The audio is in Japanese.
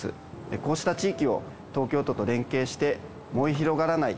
こうした地域を東京都と連携して、燃え広がらない・